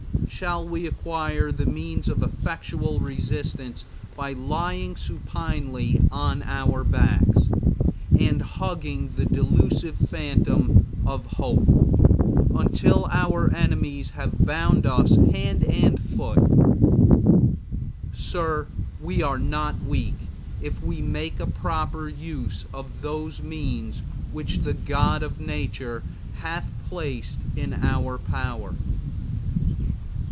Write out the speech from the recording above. Shall we acquire the means of effectual resistance by lying supinely on our backs, and hugging the delusive phantom of hope, until our enemies shall have bound us hand and foot? Sir, we are not weak if we make a proper use of those means which the God of Nature hath placed in our power.